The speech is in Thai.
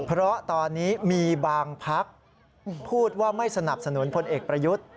เพราะตอนนี้มีบางพักพูดว่าไม่สนับสนุนพลเอกประยุทธ์